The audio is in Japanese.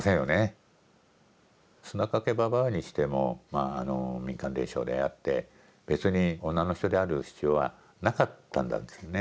砂かけ婆にしてもまああの民間伝承であって別に女の人である必要はなかったんだと。